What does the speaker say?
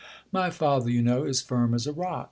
My father, you know, is firm as a rock.